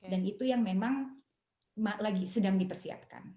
dan itu yang memang sedang dipersiapkan